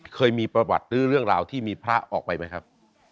เคยมีประวัติหรือเรื่องราวที่มีพระออกไปไหมครับ